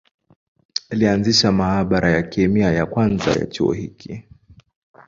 Alianzisha maabara ya kemia ya kwanza ya chuo hiki.